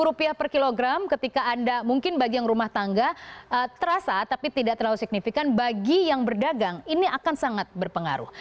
rp lima per kilogram ketika anda mungkin bagi yang rumah tangga terasa tapi tidak terlalu signifikan bagi yang berdagang ini akan sangat berpengaruh